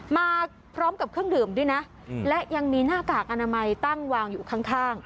มาพร้อมกับเครื่องดื่มด้วยนะและยังมีหน้ากากอนามัยตั้งวางอยู่ข้าง